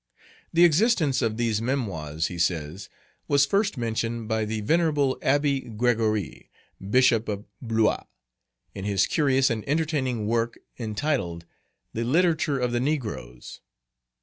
"The existence of these Memoirs," he says, "was first mentioned by the venerable Abbé Grégoire, bishop of Blois, in his curious and entertaining work entitled, 'The Literature of the Negroes.'